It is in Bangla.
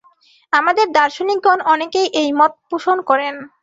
আমাদের দার্শনিকগণ অনেকেই এই মত পোষণ করেন।